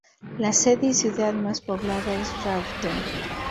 La sede y ciudad más poblada es Rawdon.